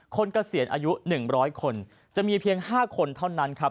เกษียณอายุ๑๐๐คนจะมีเพียง๕คนเท่านั้นครับ